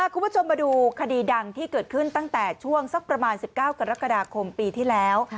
คุณผู้ชมมาดูคดีดังที่เกิดขึ้นตั้งแต่ช่วงสักประมาณ๑๙กรกฎาคมปีที่แล้ว